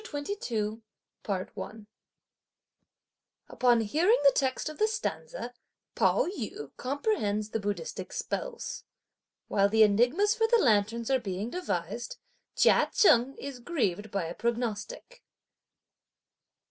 CHAPTER XXII. Upon hearing the text of the stanza, Pao yü comprehends the Buddhistic spells. While the enigmas for the lanterns are being devised, Chia Cheng is grieved by a prognostic.